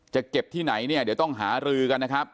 จะเก็บที่ไหนเนี่ยเดี๋ยวต้องหารือกันนะครับ